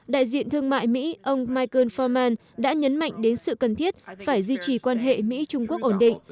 đại diện thương mại mỹ ông michael forman đã nhấn mạnh đến sự cần thiết phải duy trì quan hệ mỹ trung quốc ổn định